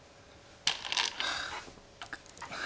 はあ。